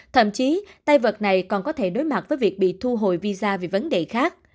thậm chí tay vật này còn có thể đối mặt với việc bị thu hồi visa về vấn đề khác